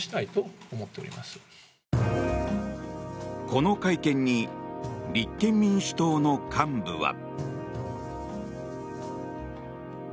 この会見に立憲民主党の幹部は。